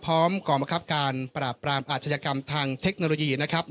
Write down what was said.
พร้อมกรรมกรับการปราบปรามอาจจัดกรรมทางเทคโนโลยีนะครับ